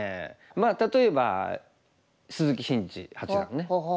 まあ例えば鈴木伸二八段ね。